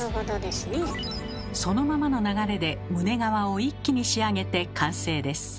そのままの流れで胸側を一気に仕上げて完成です。